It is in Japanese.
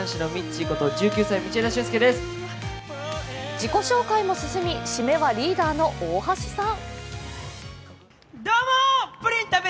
自己紹介も進み締めはリーダーの大橋さん。